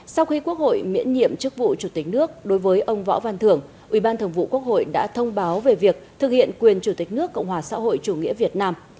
sau khi quốc hội miễn nhiệm chức vụ chủ tịch nước đối với ông võ văn thưởng ủy ban thường vụ quốc hội đã thông báo về việc thực hiện quyền chủ tịch nước cộng hòa xã hội chủ nghĩa việt nam